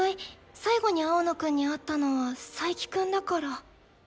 最後に青野くんに会ったのは佐伯くんだから。